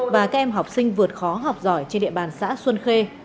và các em học sinh vượt khó học giỏi trên địa bàn xã xuân khê